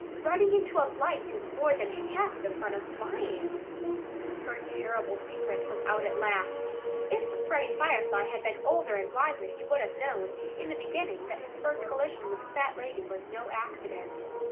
"Running into a light is more than half the fun of flying." Her terrible secret was out at last. If Freddie Firefly had been older and wiser he would have known, in the beginning, that his first collision with the fat lady was no accident.